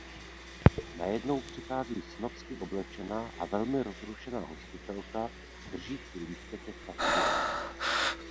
Najedou přichází snobsky oblečená a velmi rozrušená hostitelka, držící lísteček papíru